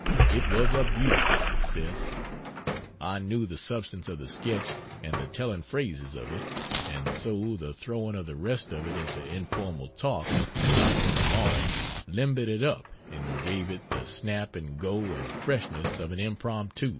It was a beautiful success. I knew the substance of the sketch and the telling phrases of it; and so, the throwing of the rest of it into informal talk as I went along limbered it up and gave it the snap and go and freshness of an impromptu.